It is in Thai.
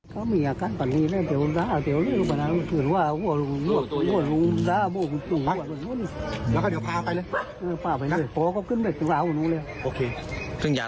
พี่พี่